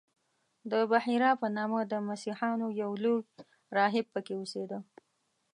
د بحیرا په نامه د مسیحیانو یو لوی راهب په کې اوسېده.